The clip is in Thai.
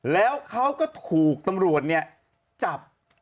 แล้วเขาก็ถูกตำรวจเนี่ยจับ